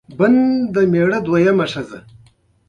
ملک صاحب غوا لاندې کړې وه